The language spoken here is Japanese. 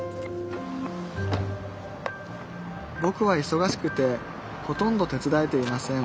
ぼくはいそがしくてほとんど手伝えていません